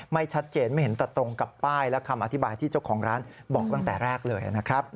ไม่ชัดเจนไม่เห็นแต่ตรงกับป้ายและคำอธิบายที่เจ้าของร้านบอกตั้งแต่แรกเลยนะครับ